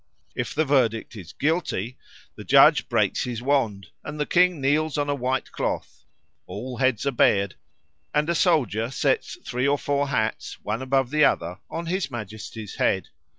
If the verdict is "Guilty," the judge breaks his wand, the King kneels on a white cloth, all heads are bared, and a soldier sets three or four hats, one above the other, on his Majesty's head.